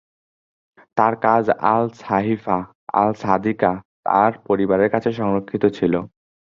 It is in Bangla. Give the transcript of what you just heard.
তার কাজ আল-সাহিফাহ আল-সাদিকাহ তার পরিবারের কাছে সংরক্ষিত ছিল।